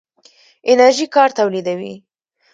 انرژي کار تولیدوي.